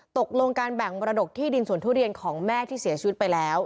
ตกลงการแบ่งมรดกที่ดินสวนทุเรียนของแม่ที่เสียชีวิตไปแล้ว